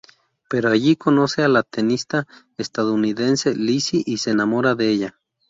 Pero allí conoce a la tenista estadounidense Lizzie y se enamora de ella.